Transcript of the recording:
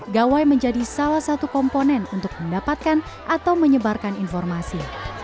gawai menjadi salah satu komponen untuk mendapatkan atau menyebarkan informasi